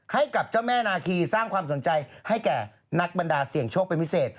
ให้กับเจ้าแม่นาคีสร้างความสนใจให้แก่นักบรรดาเสี่ยงโชคเป็นพิเศษ